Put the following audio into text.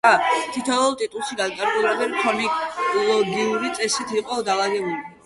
თითოეულ ტიტულში განკარგულებები ქრონოლოგიური წესით იყო დალაგებული.